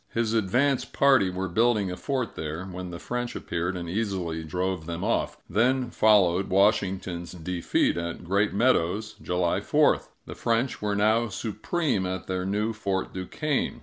His advance party were building a fort there, when the French appeared and easily drove them off. Then followed Washington's defeat at Great Meadows (July 4). The French were now supreme at their new Fort Duquesne.